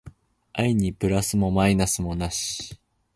愛にプラスもマイナスもなし